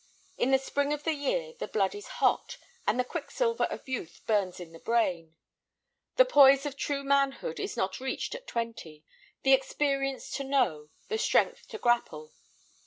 In the spring of the year the blood is hot, and the quicksilver of youth burns in the brain. The poise of true manhood is not reached at twenty, the experience to know, the strength to grapple.